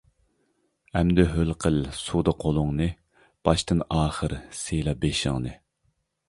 ئەمدى ھۆل قىل سۇدا قولۇڭنى، باشتىن-ئاخىر سىيلا بېشىڭنى.